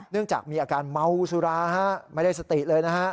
จากมีอาการเมาสุราไม่ได้สติเลยนะฮะ